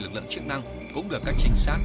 lực lượng chức năng cũng được các trinh sát